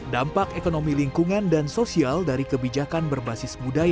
dampak ekonomi lingkungan dan sosial dari kebijakan berbasis budaya